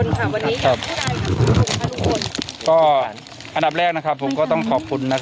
วันนี้อยากพูดได้ครับทุกคนค่ะลุงคนก็อันดับแรกนะครับผมก็ต้องขอบคุณนะครับ